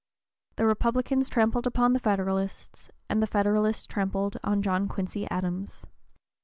The Republicans trampled upon the Federalists, and the Federalists trampled on John Quincy Adams.